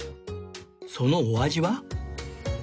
そのお味は？